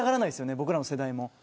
僕らの世代も。